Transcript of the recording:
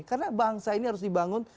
karena bangsa ini harus dibangun